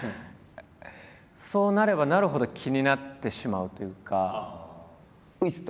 そうなればなるほど気になってしまうというか。